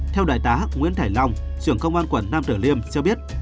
theo đại tá nguyễn thải long trưởng công an quận nam tử liêm cho biết